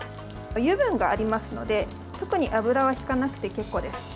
油分がありますので特に油はひかなくて結構です。